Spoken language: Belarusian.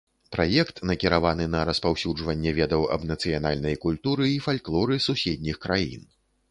Праект накіраваны на распаўсюджванне ведаў аб нацыянальнай культуры і фальклоры суседніх краін.